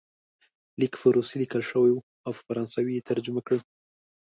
لیک په روسي لیکل شوی وو او په فرانسوي یې ترجمه کړ.